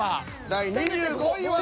第２５位は。